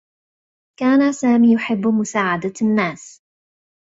كان سامي يحبّ مساعدة النّاس.